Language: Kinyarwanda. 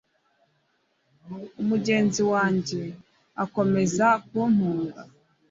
Umugenzi wanjye akomeza kuntunga